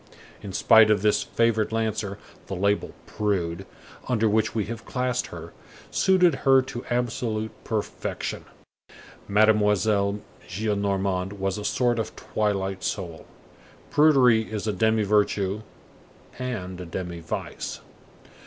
In spite of this favored Lancer, the label: Prude, under which we have classed her, suited her to absolute perfection. Mademoiselle Gillenormand was a sort of twilight soul. Prudery is a demi virtue and a demi vice.